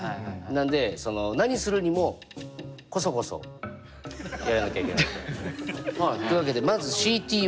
なんでその何するにもこそこそやらなきゃいけないと。というわけでまずＣＴＯ。